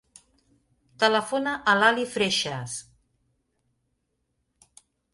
Telefona a l'Ali Freixas.